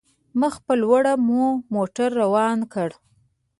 مخ په لوړه مو موټر روان کړ.